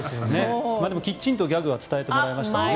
きっちんとギャグは伝えてもらいましたね。